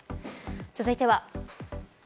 続いては。